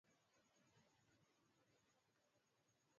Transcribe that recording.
Pia alifanya mageuzi makubwa ya kiuchumi pamoja na kuimarisha